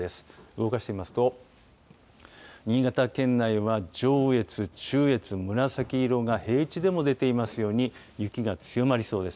動かしてみますと、新潟県内は上越、中越、紫色が平地でも出ていますように、雪が強まりそうです。